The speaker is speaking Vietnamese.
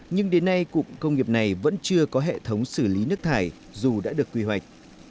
nhưng đến nay cụm công nghiệp này vẫn chưa có hệ thống xử lý nước thải dù đã được quy hoạch